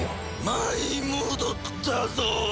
舞い戻ったぞ！